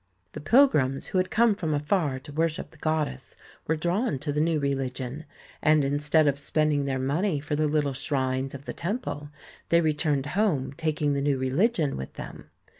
The pilgrims, who had come from afar to worship the goddess, were drawn to the new religion, and instead of spending their money for the little shrines of the temple, they returned home taking the new religion with them.